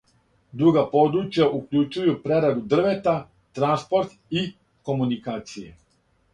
Друга подручја укључују прераду дрвета, транспорт и комуникације.